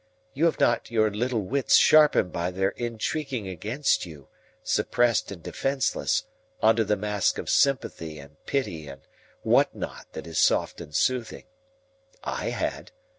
You had not your little wits sharpened by their intriguing against you, suppressed and defenceless, under the mask of sympathy and pity and what not that is soft and soothing. I had.